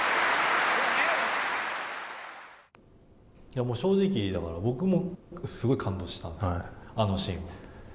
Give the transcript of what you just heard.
もう正直、だから僕もすごい感動したんです、あのシーン。